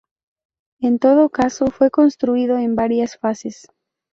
En todo caso, fue construido en varias fases.